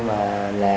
có năng lực